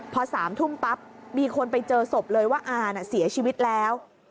พอ๓ทุ่มปั๊บมีคนไปเจอศพเลยว่าอาน่ะเสียชีวิตแล้ว